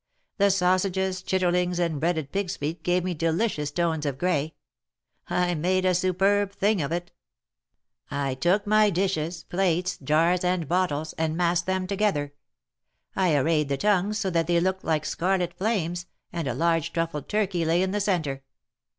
The sausages, chitterlings and breaded pigs' feet gave me delicious tones of gray. I made a superb thing of it. 214 THE MARKETS OF PARIS. I took my dishes, plates, jars and bottles, and massed them together. I arrayed the tongues so that they looked like scarlet flames, and a large truffled turkey lay in the centre.